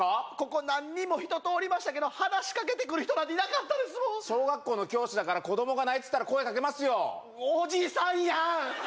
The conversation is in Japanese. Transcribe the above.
ここ何人も人通りましたけど話しかけてくる人なんていなかったですもん小学校の教師だから子供が泣いてたら声かけますよおじさんやん！